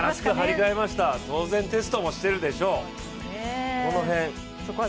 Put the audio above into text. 新しく履き替えました当然、テストもしているでしょう。